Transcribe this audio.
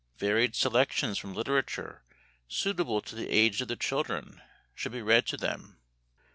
Varied selections from literature suitable to the age of the children should be read to them.